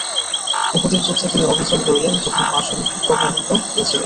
উহুদের যুদ্ধে তিনি অবিচল রইলেন যখন পা সমূহ প্রকম্পিত হয়েছিল।